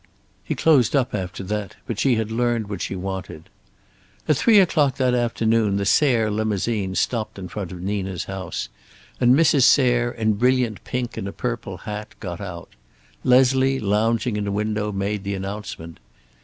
He closed up after that, but she had learned what she wanted. At three o'clock that afternoon the Sayre limousine stopped in front of Nina's house, and Mrs. Sayre, in brilliant pink and a purple hat, got out. Leslie, lounging in a window, made the announcement.